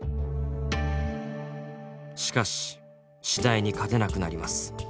しかし次第に勝てなくなります。